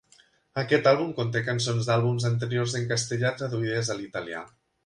Aquest àlbum conté cançons d'àlbums anteriors en castellà traduïdes a l'italià.